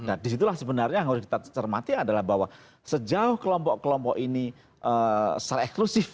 nah disitulah sebenarnya yang harus kita cermati adalah bahwa sejauh kelompok kelompok ini secara eksklusif